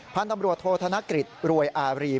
พันธุ์ตำรวจโทษธนกฤษรวยอารี